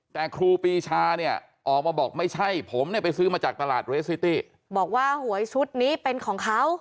แต่ครูปีชาเนี่ยออกมาบอกไม่ใช่ผมเนี่ยไปซื้อมาจากตลาดเรสซิตี้บอกว่าหวยชุดนี้เป็นของเขา